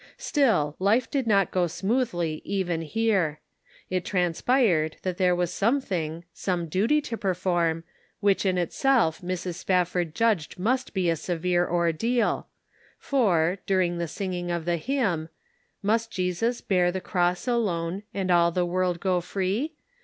Still, life did not go smoothly even here. It transpired that there was some thing, some duty to perform, which in itself Mrs. Spafford judged must be a severe ordeal ; for, during the singing of the hymn, " Must Jesus bear the cross alone, And all the world go free